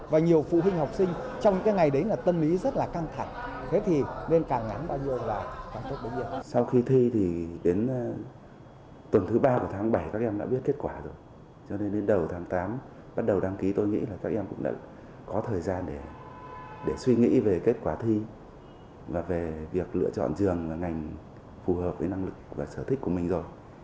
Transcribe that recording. và về việc lựa chọn trường và ngành phù hợp với năng lực và sở thích của mình rồi